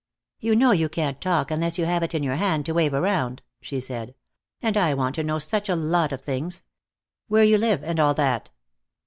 "You know you can't talk unless you have it in your hand to wave around," she said. "And I want to know such a lot of things. Where you live, and all that."